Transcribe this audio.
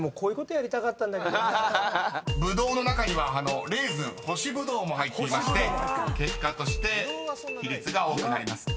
［「ブドウ」の中にはレーズン干しぶどうも入っていまして結果として比率が多くなります］